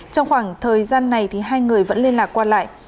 trong khoảng thời gian này hai người vẫn liên lạc qua lại